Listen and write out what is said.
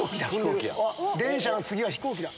電車の次は飛行機だ。